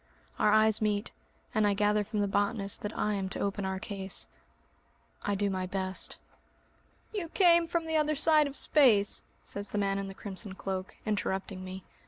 Our eyes meet, and I gather from the botanist that I am to open our case. I do my best. "You came from the other side of space!" says the man in the crimson cloak, interrupting me.